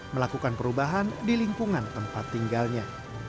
melakukan perubahan di lingkungan tempat tinggalnya